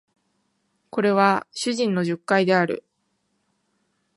これは主人の述懐である